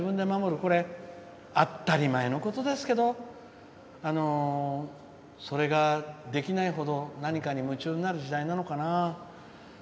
これ、当たり前のことですけどそれができないほど何かに夢中になる時代なのかな。